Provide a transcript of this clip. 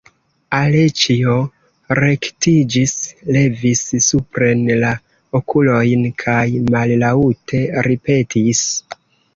Aleĉjo rektiĝis, levis supren la okulojn kaj mallaŭte ripetis.